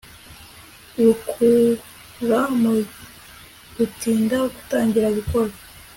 rukura mu gutinda gutangira gukora